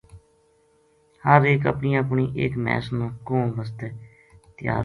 ہر ایک اپنی اپنی ایک مھیس نا کوہن بسطے تیار ہو گیو